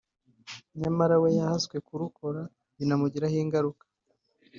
nyamara we yahaswe kurukora binamugiraho ingaruka